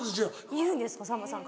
言うんですかさんまさんから。